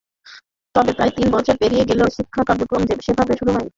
তবে প্রায় তিন বছর পেরিয়ে গেলেও শিক্ষা কার্যক্রম সেভাবে শুরু হয়নি।